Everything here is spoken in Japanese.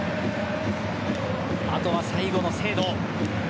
あとは最後の精度。